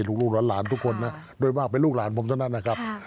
ลูกหลานทุกคนนะโดยมากเป็นลูกหลานผมเท่านั้นนะครับ